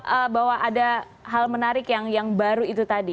eee bahwa ada hal menarik yang baru itu tadi